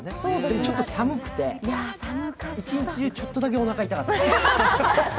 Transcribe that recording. ちょっと寒くて、一日中ちょっとだけおなか痛かった。